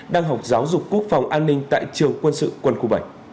đang học giáo dục quốc phòng an ninh tại trường quân sự quân khu bảy